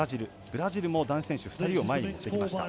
ブラジルも男子選手２人を前に持ってきました。